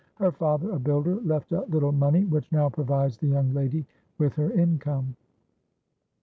Her father, a builder, left a little money, which now provides the young lady with her income."